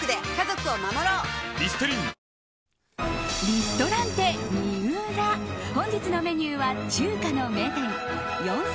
リストランテＭＩＵＲＡ本日のメニューは中華の名店４０００